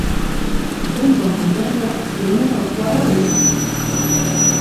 Benton konderriak kilometro koadro ditu.